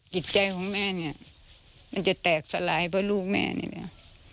จิตใจของแม่เนี่ยมันจะแตกสลายเพราะลูกแม่นี่แหละ